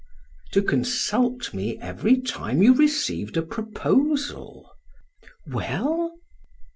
"To consult me every time you received a proposal." "Well?"